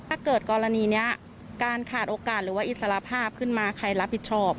ถ้าเกิดกรณีนี้การขาดโอกาสหรือว่าอิสระภาพขึ้นมาใครรับผิดชอบ